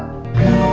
gak ada yang nyopet